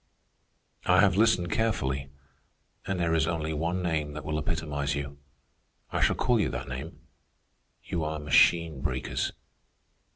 "I have listened carefully, and there is only one name that will epitomize you. I shall call you that name. You are machine breakers.